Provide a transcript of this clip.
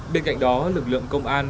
bên cạnh đó lực lượng công an